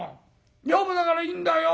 女房だからいいんだよ。